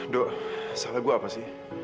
do salah gue apa sih